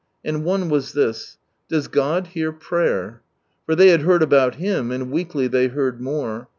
And one was this — Does God hear prater i For they had heard about Him, and weekly they heard more.